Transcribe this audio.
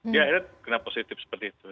di akhirnya kena positif seperti itu